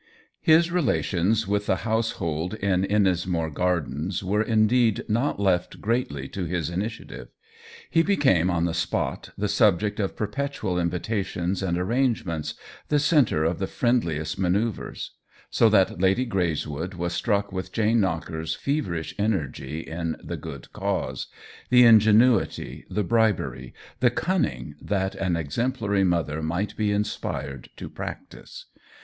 His relations with the household in Ennismore Gardens were indeed not left greatly to his initiative ; he became on the spot the subject of perpetual invitations and arrangements, the centre of the friendliest manoeuvres ; so that Lady Greys wood was struck with Jane Knocker's feverish energy in the good cause — the ingenuity, the bri bery, the cunning that an exemplary mother might be inspired to practise.